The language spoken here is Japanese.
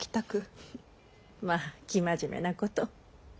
まぁ生真面目なこと。